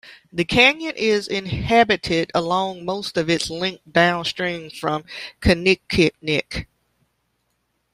The canyon is inhabited along most of its length downstream from Kinikinik.